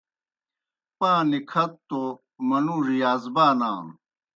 پاں نِکھتوْ توْ منُوڙوْ یازبانانوْ۔